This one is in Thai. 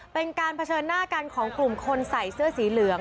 เป็นการเผชิญหน้ากันของกลุ่มคนใส่เสื้อสีเหลือง